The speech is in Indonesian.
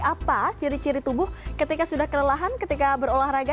apa ciri ciri tubuh ketika sudah kelelahan ketika berolahraga